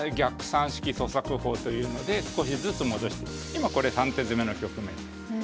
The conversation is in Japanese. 今これ３手詰の局面です。